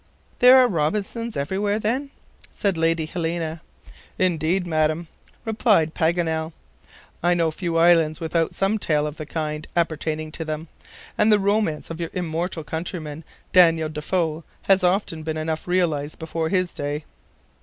"There are Robinsons everywhere, then?" said Lady Helena. "Indeed, Madam," replied Paganel, "I know few islands without some tale of the kind appertaining to them, and the romance of your immortal countryman, Daniel Defoe, has been often enough realized before his day."